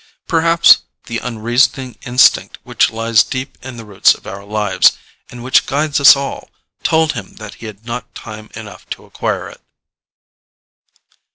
Perhaps the unreasoning instinct which lies deep in the roots of our lives, and which guides us all, told him that he had not time enough to acquire it.